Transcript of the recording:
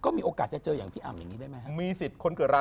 ก็มีโอกาสจะเจออย่างพี่อำอย่างนี้ได้ไหมครับ